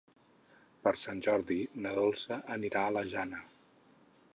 Per Sant Jordi na Dolça anirà a la Jana.